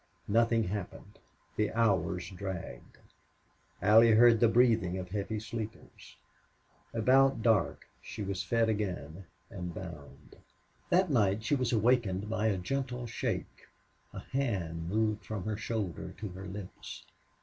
Nothing happened. The hours dragged. Allie heard the breathing of heavy sleepers. About dark she was fed again and bound. That night she was awakened by a gentle shake. A hand moved from her shoulder to her lips.